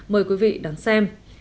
mời quý vị đón xem